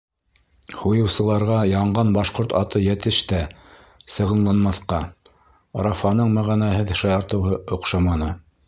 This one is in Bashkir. — Һуйыусыларға янған башҡорт аты йәтеш тә, сығынламаҫҡа, -Рафаның мәғәнәһеҙ шаяртыуы оҡшаманы.